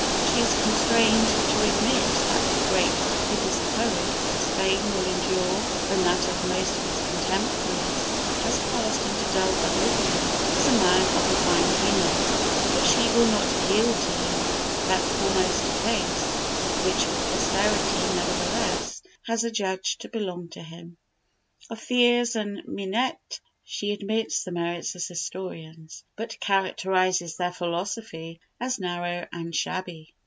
She is constrained to admit that the great people's poet, whose fame will endure when that of most of his contemporaries has passed into dull oblivion, is a man of a fine genius, but she will not yield to him that foremost place which posterity, nevertheless, has adjudged to belong to him. Of Thiers and Mignet she admits the merits as historians, but characterizes their philosophy as narrow and shabby.